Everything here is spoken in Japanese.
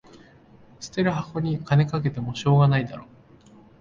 捨てる箱に金かけてもしょうがないだろ